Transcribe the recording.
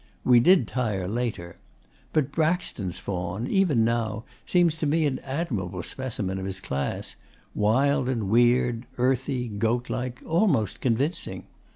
We did tire later. But Braxton's faun, even now, seems to me an admirable specimen of his class wild and weird, earthy, goat like, almost convincing.